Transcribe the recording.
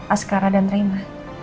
askara dan reina